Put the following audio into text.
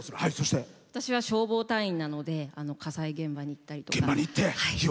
私は消防隊員なので火災現場に行ったりとか。